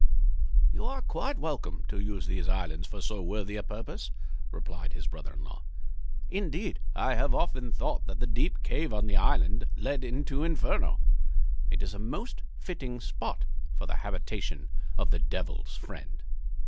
"You are quite welcome to use these islands for so worthy a purpose," replied his brother in law. "Indeed, I have often thought that the deep cave on the island led into Inferno. It is a most fitting spot for the habitation of the Devil's friend."